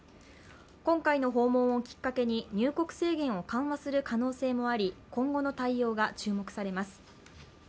今回の訪問をきっかけに入国制限を緩和する可能性もあり今後の対応が注目されます。